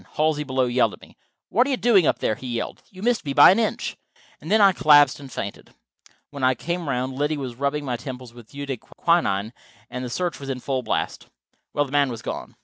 Halsey, below, yelled at me. "What are you doing up there?" he yelled. "You missed me by an inch." And then I collapsed and fainted. When I came around Liddy was rubbing my temples with eau de quinine, and the search was in full blast. Well, the man was gone.